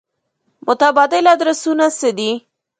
متبادل ادرسونه څه دي.